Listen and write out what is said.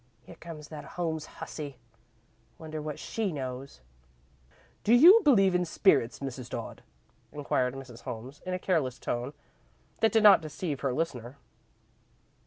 Here comes that Holmes hussy. Wonder what she knows!" "Do you believe in spirits, Mrs. Dodd?" inquired Mrs. Holmes, in a careless tone that did not deceive her listener.